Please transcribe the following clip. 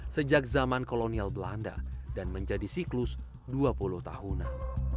sejak zaman kolonial belanda dan menjadi siklus dua puluh tahunan